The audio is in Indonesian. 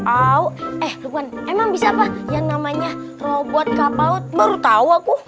ah eh luwan emang bisa apa yang namanya robot kapal laut baru tahu aku